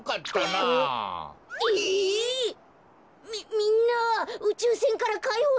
みんなうちゅうせんからかいほうされたの？